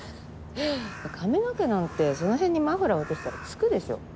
髪の毛なんてその辺にマフラー落としたら付くでしょ。